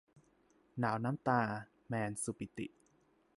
หนาวน้ำตา - แมน สุปิติ